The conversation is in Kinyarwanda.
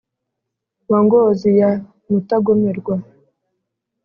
Wa Ngozi ya Mutagomerwa,